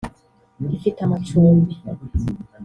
Ifite amacumbi